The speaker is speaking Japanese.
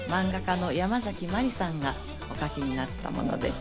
漫画家のヤマザキマリさんがお描きになったものです。